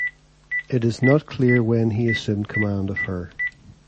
It is not clear when he assumed command of her.